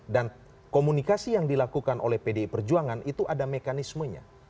dan komunikasi yang dilakukan oleh pdi perjuangan itu ada mekanismenya